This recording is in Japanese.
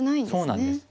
そうなんです。